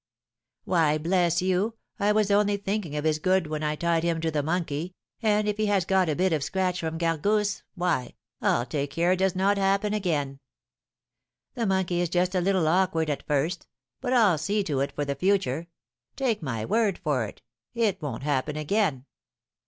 Why, bless you, I was only thinking of his good when I tied him to the monkey, and if he has got a bit of a scratch from Gargousse, why, I'll take care it does not happen again. The monkey is just a little awkward at first, but I'll see to it for the future, take my word for it, it won't happen again.'